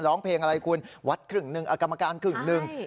ร้องเพลงอะไรคุณวัดครึ่งหนึ่งอกรรมการครึ่งหนึ่ง